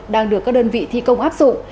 đang được các đơn vị thi công áp dụng